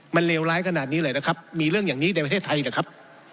มันเลวร้ายขนาดนี้เลยนะครับมีเรื่องอย่างนี้ในประเทศไทยหรือครับ